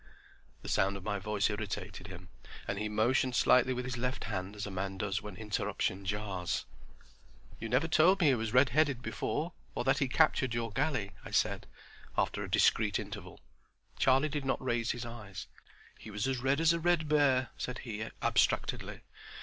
The sound of my voice irritated him, and he motioned slightly with his left hand as a man does when interruption jars. "You never told me he was redheaded before, or that he captured your galley," I said, after a discreet interval. Charlie did not raise his eyes. "He was as red as a red bear," said he, abstractedly.